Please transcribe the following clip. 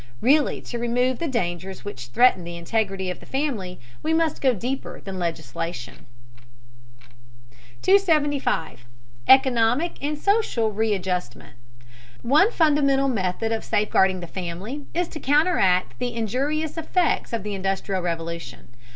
Really to remove the dangers which threaten the integrity of the family we must go deeper than legislation. 275. ECONOMIC AND SOCIAL READJUSTMENT. One fundamental method of safeguarding the family is to counteract the injurious effects of the Industrial Revolution.